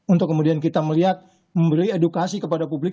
untuk kemudian kita melihat memberi edukasi kepada publik